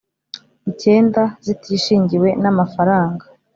icyenda zitishingiwe n amafaranga